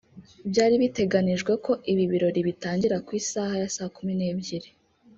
Byari biteganijwe ko ibi birori bitangira ku isaha ya saa kumi n’ebyiri